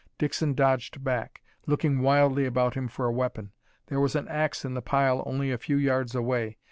Dixon dodged back, looking wildly about him for a weapon. There was an ax in the pile only a few yards away.